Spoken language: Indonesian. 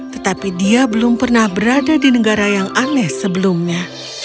tetapi dia belum pernah berada di negara yang aneh sebelumnya